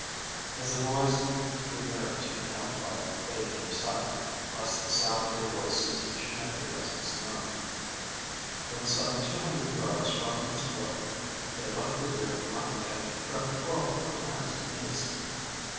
As the boys drew nearer to the campfire they became silent, lest the sound of their voices should make their presence known. When some two hundred yards from its glow, they left the deer behind and crept forward on hands and knees.